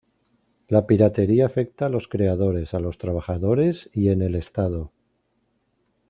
La piratería afecta a los creadores, a los trabajadores y en el Estado.